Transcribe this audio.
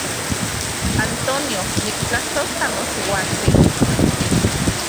Antonio, niktlasojtla nosiuatsin.